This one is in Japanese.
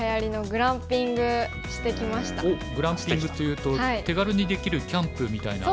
グランピングというと手軽にできるキャンプみたいな。